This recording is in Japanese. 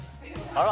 あら！